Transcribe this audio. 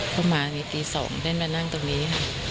เพราะมาตี๒ได้มานั่งตรงนี้